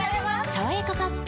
「さわやかパッド」